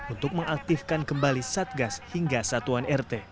untuk mengaktifkan kembali satgas hingga satuan rt